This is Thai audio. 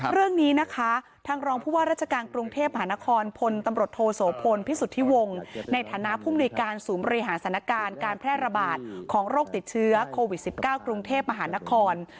เรื่องนี้นะคะทางรองผู้ว่าราชการกรุงเทพหานครพลตำรวจโทโสพลพิสุทธิวงศ์ในฐานะผู้มนุยการศูนย์บริหารสถานการณ์การแพร่ระบาดของโรคติดเชื้อโควิด๑๙กรุงเทพมหานคร